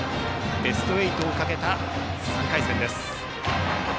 ベスト８をかけた３回戦です。